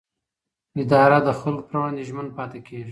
اداره د خلکو پر وړاندې ژمن پاتې کېږي.